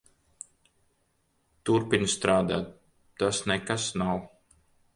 Turpini strādāt. Tas nekas nav.